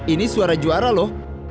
ini suara juara lho